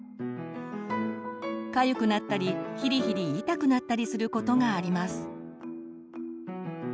かゆくなったりヒリヒリ痛くなったりすることがあります。